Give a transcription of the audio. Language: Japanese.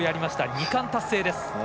２冠達成です。